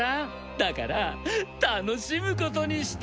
だから楽しむことにした。